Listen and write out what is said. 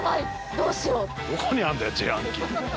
どうしよう？